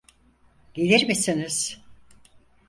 Gelir misiniz?